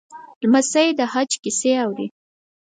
لمسی د حج کیسې اوري.